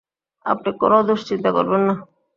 আপনি কোন দুশ্চিন্তা করবেন না।